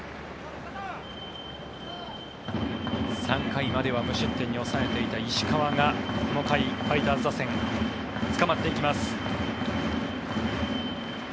３回までは無失点に抑えていた石川がこの回、ファイターズ打線つかまっていきます。